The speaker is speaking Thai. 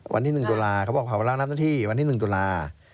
วันที่๑ตุลาหรือเขาบอกว่าวันน้ำหน้าที่วันที่๑ตุลา